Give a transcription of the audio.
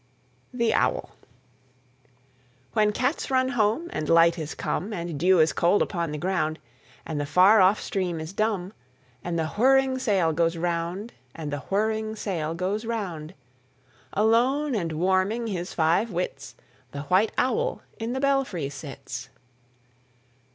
THE OWL. When cats run home and light is come, And dew is cold upon the ground, And the far off stream is dumb, And the whirring sail goes round, And the whirring sail goes round; Alone and warming his five wits, The white owl in the belfry sits.